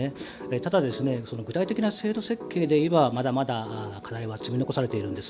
ただ、具体的な制度設計でいえばまだまだ課題は積み残されているんです。